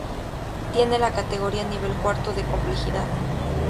Tiene la categoría nivel cuarto de complejidad.